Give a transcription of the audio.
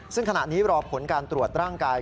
ซึ่งขณะนี้รอผลการตรวจร่างกาย